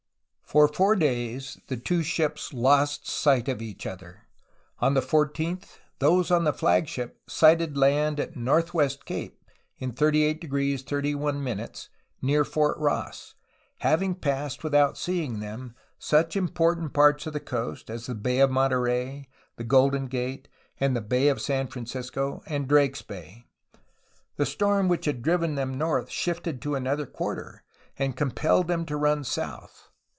For four days the two ships lost sight of each other. On the 14th those on the flagship sighted land at Northwest Cape, in 38° 31', near Fort Ross, having passed without seeing them, such important parts of the coast as the Bay of Monterey, the Golden Gate and the Bay of San Francisco, and Drake's Bay. The storm which had driven them north shifted to another quarter, and compelled them to run south.